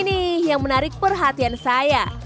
ini yang menarik perhatian saya